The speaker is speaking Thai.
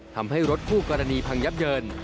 ทำให้รถคู่กรณีพังยับเยิน